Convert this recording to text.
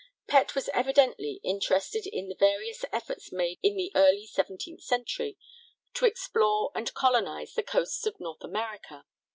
Pett was evidently interested in the various efforts made in the early seventeenth century to explore and colonise the coasts of North America.